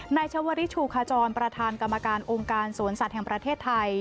ชวริชูขจรประธานกรรมการองค์การสวนสัตว์แห่งประเทศไทย